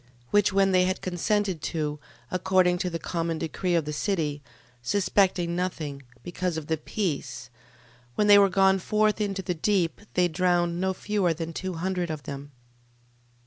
12:4. Which when they had consented to, according to the common decree of the city, suspecting nothing, because of the peace: when they were gone forth into the deep, they drowned no fewer than two hundred of them.